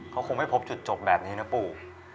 เขาคงไม่พบจุดจบแบบนี้นะปู่